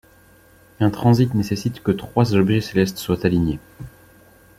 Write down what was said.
Un transit nécessite que trois objets célestes soient alignés.